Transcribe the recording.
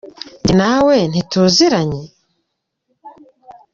nge nawe ntituziranye?